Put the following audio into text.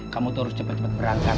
kamu tuh harus cepet cepet berangkat